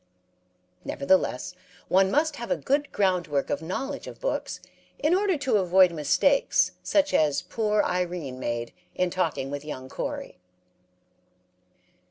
Nevertheless, one must have a good groundwork of knowledge of books in order to avoid mistakes such as poor Irene made in talking with young Corey.